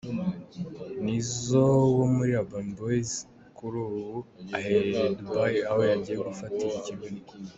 Nizo wo muri Urban Boys kuri ubu aherereye Dubai aho yagiye gufatira ikiruhuko .